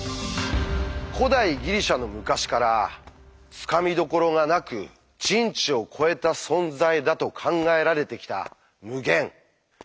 古代ギリシャの昔からつかみどころがなく「人知を超えた存在」だと考えられてきた「無限」。